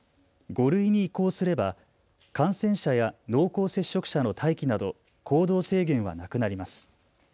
５類に移行すれば感染者や濃厚接触者の待機など行動制限はなくなります。